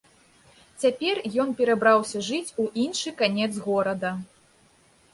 Цяпер ён перабраўся жыць у іншы канец горада.